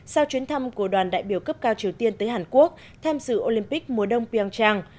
sau chuyến thăm của đoàn đại biểu cấp cao triều tiên tới hàn quốc tham dự olympic mùa đông pian trang